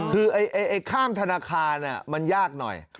คือไอ้ข้ามธนาคารมันยากหน่อย